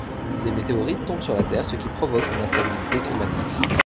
Des météorites tombent sur la Terre, ce qui provoque une instabilité climatique.